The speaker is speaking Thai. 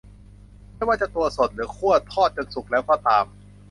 ไม่ว่าจะตัวสด หรือ คั่ว ทอดจนสุกแล้วก็ตาม